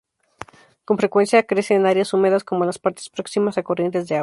Con frecuencia crece en áreas húmedas, como las partes próximas a corrientes de agua.